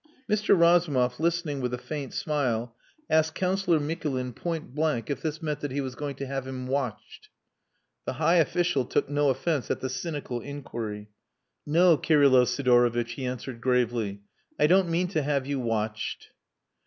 Mr. Razumov, listening with a faint smile, asked Councillor Mikulin point blank if this meant that he was going to have him watched. The high official took no offence at the cynical inquiry. "No, Kirylo Sidorovitch," he answered gravely. "I don't mean to have you watched."